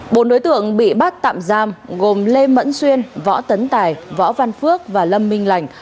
bốn đối tượng bị bắt tạm giam gồm lê mẫn xuyên võ tấn tài võ văn phước và lâm minh lành